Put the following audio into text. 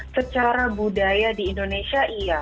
secara budaya di indonesia iya